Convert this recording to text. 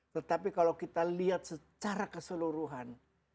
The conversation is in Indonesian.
tetapi kalau kita lihat secara keseluruhan